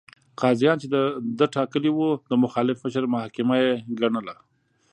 قاضیان چې ده ټاکلي وو، د مخالف مشر محاکمه یې ګڼله.